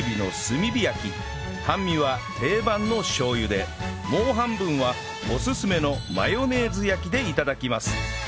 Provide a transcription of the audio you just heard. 半身は定番のしょう油でもう半分はおすすめのマヨネーズ焼きで頂きます